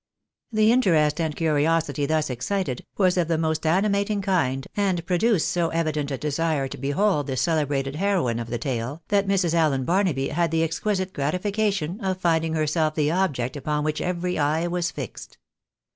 The interest and curiosity thus excited, was of the most ani mating kind, and produced so evident a desire to behold the cele brated heroine of the tale, that Mrs. Allen Barnaby had the exquisite gratification of finding herself the object upon which every eye was fixed.